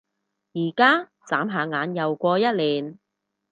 而家？眨下眼又過一年